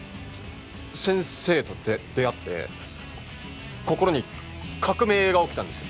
先生と出会って心に革命が起きたんです。